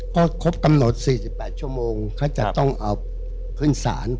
ก็ครบกำหนด๔๘ชั่วโมงเขาจะต้องเอาขึ้นศาล